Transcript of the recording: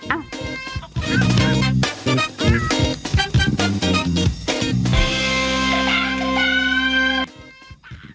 อ้าว